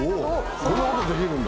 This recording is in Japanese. こんなことできるんだ。